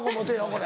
これ。